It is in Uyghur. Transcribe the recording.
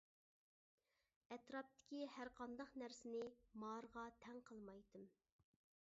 ئەتراپتىكى ھەرقانداق نەرسىنى مارىغا تەڭ قىلمايتتىم.